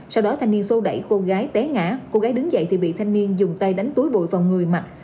sau đó thanh niên sô đẩy cô gái té ngã cô gái đứng dậy thì bị thanh niên dùng tay đánh túi bội vào người mặt